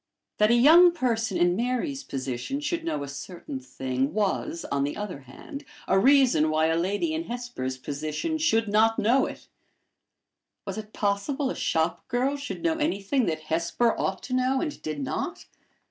That a young person in Mary's position should know a certain thing, was, on the other hand, a reason why a lady in Hesper's position should not know it! Was it possible a shop girl should know anything that Hesper ought to know and did not?